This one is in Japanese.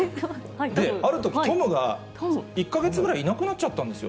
で、あるとき、トムが１か月ぐらいいなくなっちゃったんですよ。